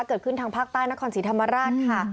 ทางภาคใต้นครศรีธรรมราชค่ะ